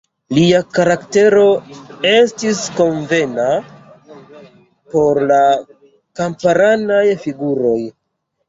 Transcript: Lia karaktero estis konvena por kamparanaj figuroj.